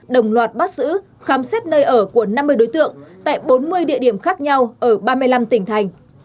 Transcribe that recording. đồng loạt bắt giữ khám xét nơi ở của năm mươi đối tượng tại bốn mươi địa điểm khác nhau ở ba mươi năm tỉnh thành